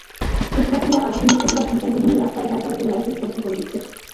শিক্ষার্থীরা আজ বৃহস্পতিবার ঢাকার বিভিন্ন রাস্তায় গাড়িচালকের লাইসেন্স পরীক্ষা করে দেখছে।